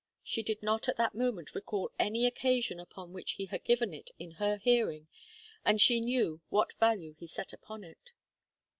She did not at that moment recall any occasion upon which he had given it in her hearing, and she knew what value he set upon it.